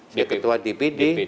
saya ketua dpd